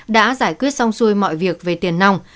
đã giải quyết xong xuôi mọi việc về tiền nòng